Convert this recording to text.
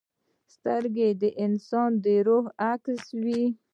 سترګې د انسان د روح عکس وي